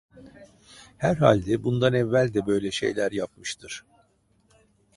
Herhalde bundan evvel de böyle şeyler yapmıştır…